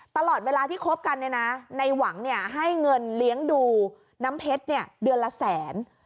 ตลอดเวลาที่คบกันเนี่ยนะในหวังให้เงินเลี้ยงดูน้ำเพชรเดือนละแสน